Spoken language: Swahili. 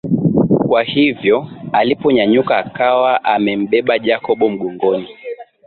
Kwahivyo aliponyanyuka akawa amembeba Jacob mgongoni